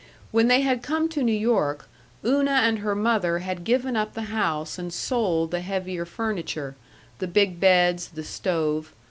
When they had come to New York, Una and her mother had given up the house and sold the heavier furniture, the big beds, the stove.